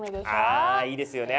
あいいですよね